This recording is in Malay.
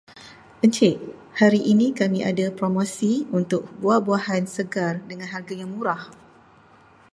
Encik, hari ini kami ada promosi untuk buah-buahan segar dengan harga yang murah.